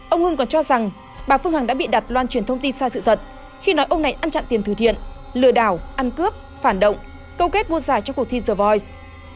ông hưng còn cho rằng bà phương hằng đã bị đặt loan truyền thông tin sai sự thật khi nói ông này ăn chặn tiền thử thiện lừa đào ăn cướp phản động câu kết mua giải cho cuộc thi the voice